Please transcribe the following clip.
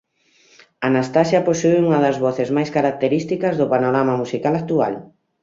Anastacia posúe unha das voces máis características do panorama musical actual.